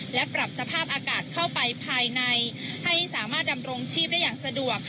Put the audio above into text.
และปรับสภาพอากาศเข้าไปภายในให้สามารถดำรงชีพได้อย่างสะดวก